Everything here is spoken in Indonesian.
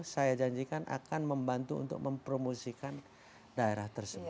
saya janjikan akan membantu untuk mempromosikan daerah tersebut